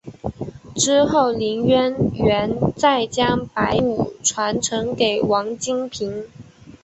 之后林渊源再将白派事务传承给王金平。